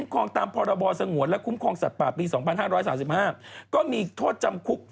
ความขายของคงไม่ค่อยหนักหรอก